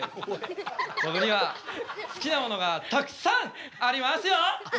僕には好きなものがたくさんありますよ！